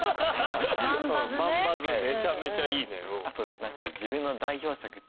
めちゃめちゃいいねうん。